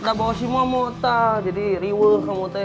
tak bawa semua mau teh jadi riwet kamu teh